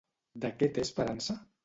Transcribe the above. De què té esperança?